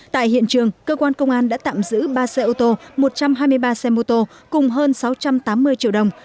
tại hiện trường cơ quan công an đã tạm giữ ba xe ô tô một trăm hai mươi ba xe mô tô cùng hơn sáu trăm tám mươi triệu đồng